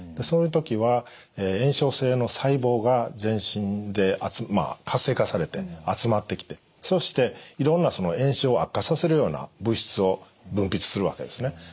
そういう時は炎症性の細胞が全身で活性化されて集まってきてそしていろんな炎症を悪化させるような物質を分泌するわけですね。